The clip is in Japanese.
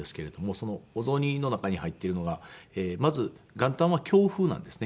そのお雑煮の中に入っているのがまず元旦は京風なんですね。